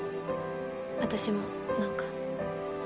私も何か。